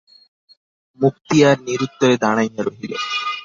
মুক্তিয়ার নিরুত্তরে দাঁড়াইয়া রহিল।